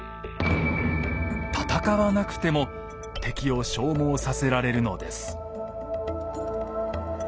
戦わなくても敵を消耗させられるのです。